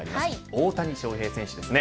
大谷翔平選手ですね。